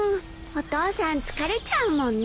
お父さん疲れちゃうもんね。